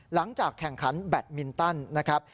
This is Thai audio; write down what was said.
หลังจากแข่งขันแบตมินตันนะครับ